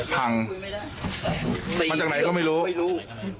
พังฟังจากไหนก็ไม่รู้